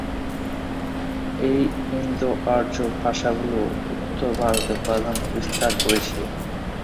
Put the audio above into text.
এই ইন্দো-আর্য ভাষাগুলো উত্তর ভারতে প্রাধান্য বিস্তার করেছে।